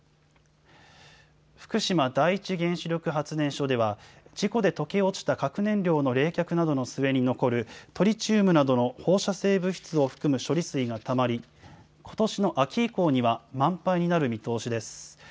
福島第一原子力発電所では、事故で溶け落ちた核燃料の冷却などの末に残る、トリチウムなどの放射性物質を含む処理水がたまり、ことしの秋以降には、満杯になる見通しです。